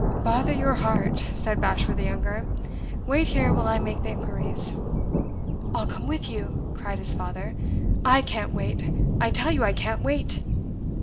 "Bother your heart," said Bashwood the younger. "Wait here while I make the inquiries." "I'll come with you!" cried his father. "I can't wait! I tell you, I can't wait!"